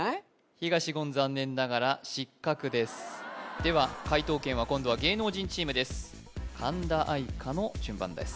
東言残念ながら失格ですでは解答権は今度は芸能人チームです神田愛花の順番です